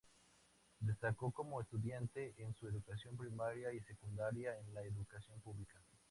Destacó como estudiante en su educación primaria y secundaria en la educación pública.